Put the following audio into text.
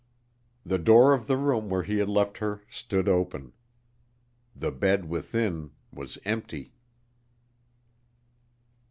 The door of the room where he had left her stood open. The bed within was empty.